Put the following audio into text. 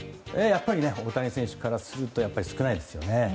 やっぱり大谷選手からすると少ないですよね。